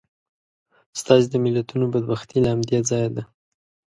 ستاسې د ملتونو بدبختي له همدې ځایه ده.